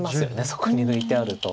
そこに抜いてあると。